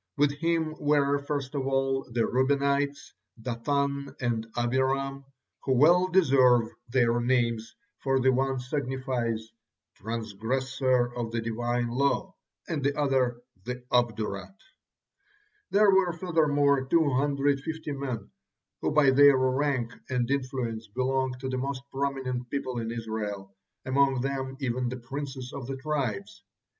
With him were, first of all, the Reubenites, Dathan and Abiram, who well deserve their names, for the one signifies, "transgressor of the Divine law," and the other, "the obdurate." There were, furthermore, two hundred fifty men, who by their rank and influence belonged to the most prominent people in Israel; among them even the princes of the tribes.